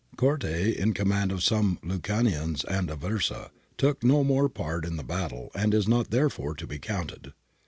(Corte, in command of some Lucanians at Aversa, took no more part in the battle and is not therefore to be counted.)